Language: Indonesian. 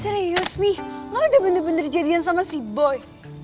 serius nih lo udah bener bener jadian sama si boy